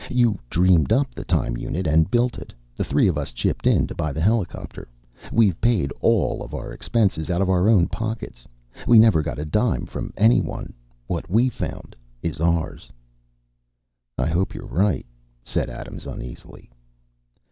You dreamed up the time unit and built it. The three of us chipped in to buy the helicopter. We've paid all of our expenses out of our own pockets. We never got a dime from anyone. What we found is ours." "I hope you're right," said Adams uneasily.